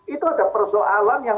itu ada persoalan yang